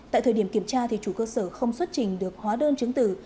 tại thời điểm kiểm tra chủ cơ sở không xuất trình được hóa đơn chứng tử